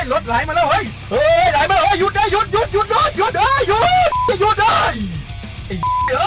รถไหลมาอะไร